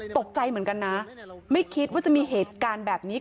ตกใจเหมือนกันนะไม่คิดว่าจะมีเหตุการณ์แบบนี้